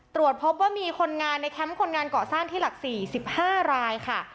ตรวจพบว่ามีคนงานในแคมป์คนงานเกาะสร้างที่หลัก๔๑๕รายค่ะ